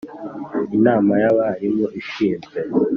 Inama y abarimu ishinzwe